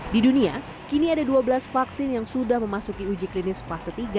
di dunia kini ada dua belas vaksin yang sudah memasuki uji klinis fase tiga